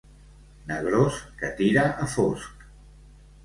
Negrós, que tira a fosc.